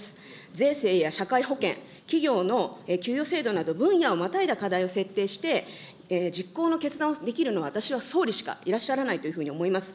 税制や社会保険、企業の給与制度など分野をまたいだ課題を設定して、実行の決断をできるのは、私は総理しかいらっしゃらないというふうに思います。